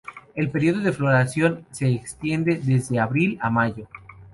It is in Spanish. El período de floración se extiende desde abril a mayo.